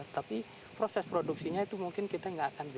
tapi punya ihre di kakuhasi